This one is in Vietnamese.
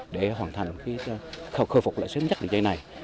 để hoàn thành khôi phục lưới